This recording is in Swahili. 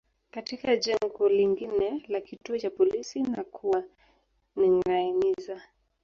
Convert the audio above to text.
katika jengo lingine la kituo cha polisi na kuwaningâiniza